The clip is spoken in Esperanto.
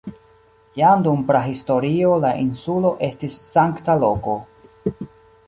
Jam dum prahistorio la insulo estis sankta loko.